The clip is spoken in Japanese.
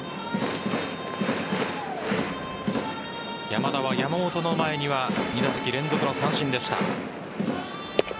山田は山本の前には２打席連続の三振でした。